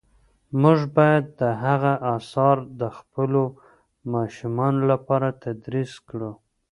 موږ باید د هغه آثار د خپلو ماشومانو لپاره تدریس کړو.